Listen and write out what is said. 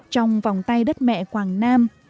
trong vòng tay đất mẹ quảng nam